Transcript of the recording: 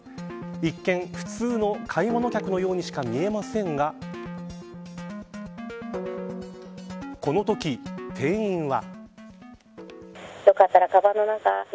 一見、普通の買い物客のようにしか見えませんがこのとき、店員は。